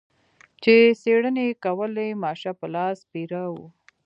چې څېړنې یې کولې ماشه په لاس پیره و.